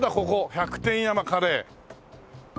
「百点山カレー」。